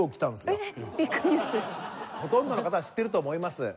ほとんどの方は知ってると思います。